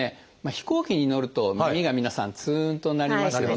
飛行機に乗ると耳が皆さんつんとなりますよね。